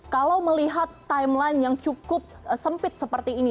kalau melihat timeline yang cukup sempit seperti ini